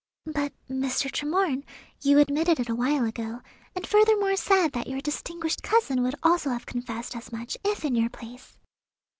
"But, Mr. Tremorne, you admitted it a while ago, and furthermore said that your distinguished cousin would also have confessed as much if in your place."